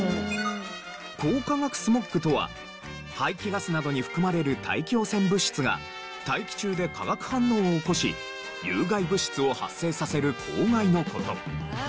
光化学スモッグとは排気ガスなどに含まれる大気汚染物質が大気中で化学反応を起こし有害物質を発生させる公害の事。